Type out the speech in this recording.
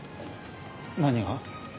何が？